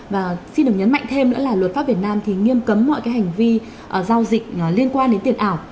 và xin được nhấn mạnh thêm nữa là luật pháp việt nam thì nghiêm cấm mọi cái hành vi giao dịch liên quan đến tiền ảo